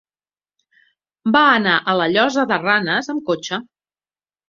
Va anar a la Llosa de Ranes amb cotxe.